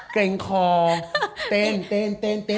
เก็งคอร์สต้นต้น